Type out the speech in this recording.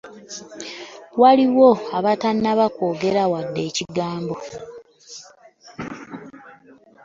Waliwo abatannaba kwogera wadde ekigambo.